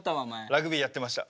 ラグビーやってました。